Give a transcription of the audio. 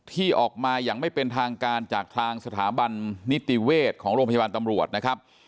ที่ออกมาอย่างไม่เป็นทางการจากทางสถาบันนิติเวชของโรงพยาบาลตำรวจนะครับ